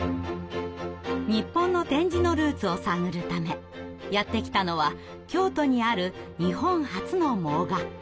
日本の点字のルーツを探るためやって来たのは京都にある日本初の盲学校。